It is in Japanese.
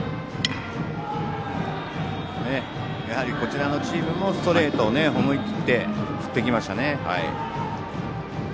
こちらのチームもストレートを思い切って振ってきましたね。